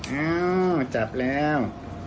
เอ้าจับแล้ว